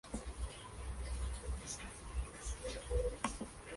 Son muchos los automóviles deportivos asociados en mayor o menor medida a Carroll Shelby.